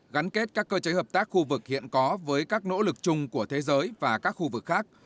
gắn kết các cơ chế hợp tác khu vực hiện có với các nỗ lực chung của thế giới và các khu vực khác